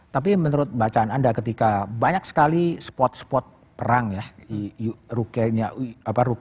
tapi menurut bacaan anda ketika banyak sekali spot spot perang ya